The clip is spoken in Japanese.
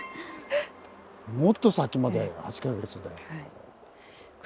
もっと先まで８か月で。